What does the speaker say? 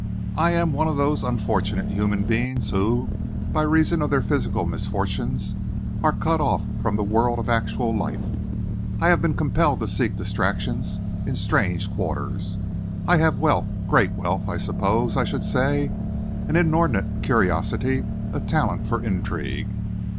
"I am one of those unfortunate human beings who, by reason of their physical misfortunes, are cut off from the world of actual life. I have been compelled to seek distraction in strange quarters. I have wealth great wealth I suppose I should say; an inordinate curiosity, a talent for intrigue.